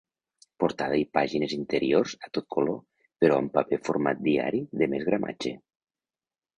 Portada i pàgines interiors a tot color però amb paper format diari de més gramatge.